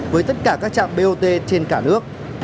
với tất cả các trạm bot trên cả nước